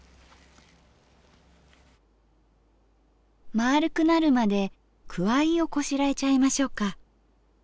まあるくなるまでくわいをこしらえちゃいましょっか。